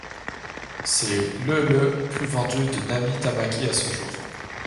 C'est le le plus vendu de Nami Tamaki à ce jour.